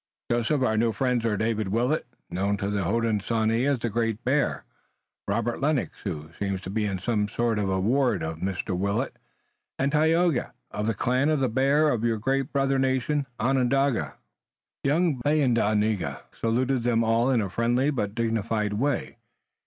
"Joseph, our new friends are David Willet, known to the Hodenosaunee as the Great Bear, Robert Lennox, who seems to be in some sort a ward of Mr. Willet, and Tayoga, of the Clan of the Bear, of your great brother nation, Onondaga." Young Thayendanegea saluted them all in a friendly but dignified way.